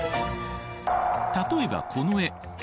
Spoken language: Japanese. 例えばこの絵。